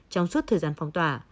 trong suốt thời gian phong tỏa